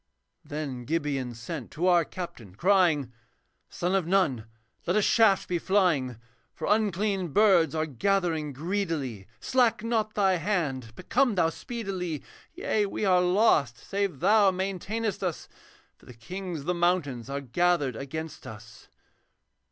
Then Gibeon sent to our captain, crying, 'Son of Nun, let a shaft be flying, For unclean birds are gathering greedily; Slack not thy hand, but come thou speedily. Yea, we are lost save thou maintain'st us, For the kings of the mountains are gathered against us.'